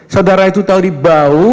saudara itu tahu dibau